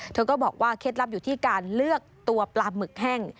เธอก็บอกว่าเคล็ดลับอยู่ที่การเลือกตัวปลาหมึกแห้ง